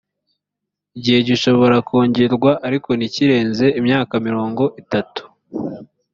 igihe gishobora kongerwa ariko ntikirenze imyakamirongo itatu